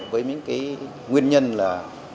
với những nguyên nhân là